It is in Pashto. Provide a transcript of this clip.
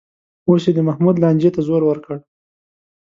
اوس یې د محمود لانجې ته زور ورکړ